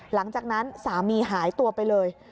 หลังจากนั้นสามีหายตัวไปเลย